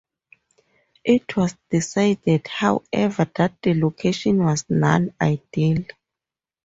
It was decided, however, that the location was non-ideal.